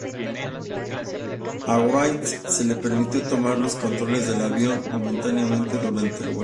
A Wright se le permitió tomar los controles del avión momentáneamente durante el vuelo.